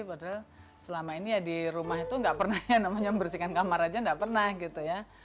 padahal selama ini ya di rumah itu nggak pernah yang namanya membersihkan kamar aja nggak pernah gitu ya